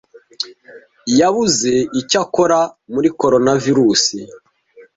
Yabuze icyo akora muri Coronavirusi.